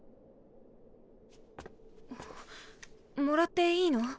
もらっていいの？